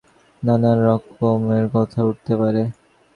নানান রকমের কথা উঠতে পারে।